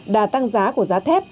đà tăng giá của giá thép